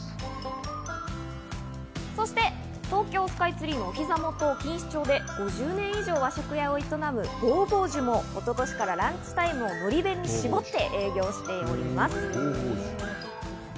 そして東京スカイツリーのお膝元、錦糸町で５０年以上、和食屋を営む坊々樹も一昨年からランチタイムをのり弁に絞って営業しています。